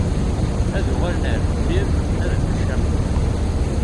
Ad uɣalen ɣer deffir, ad nneḥcamen.